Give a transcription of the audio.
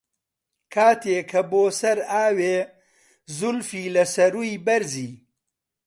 کاتێ کە بۆ سەر ئاوێ، زولفی لە سەرووی بەرزی